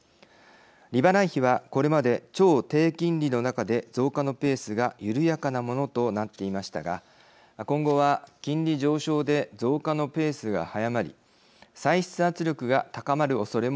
利払い費はこれまで超低金利の中で増加のペースが緩やかなものとなっていましたが今後は金利上昇で増加のペースが早まり歳出圧力が高まるおそれもあります。